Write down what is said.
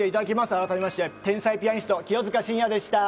改めまして、天才ピアニスト・清塚信也でした！